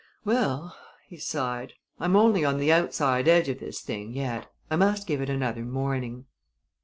"Well," he sighed, "I'm only on the outside edge of this thing yet. I must give it another morning."